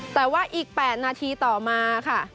แต่ว่าอีก๘นาทีต่อมาค่ะ